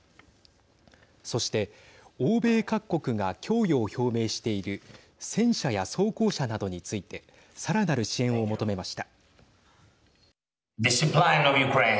そして、欧米各国が供与を表明している戦車や装甲車などについてさらなる支援を求めました。